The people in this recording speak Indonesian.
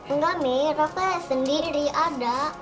enggak mi rafa sendiri ada